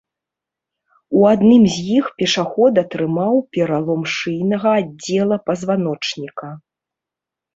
У адным з іх пешаход атрымаў пералом шыйнага аддзела пазваночніка.